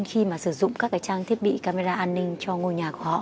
khi mà sử dụng các trang thiết bị camera an ninh cho ngôi nhà của họ